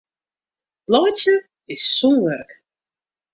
Laitsjen is sûn wurk.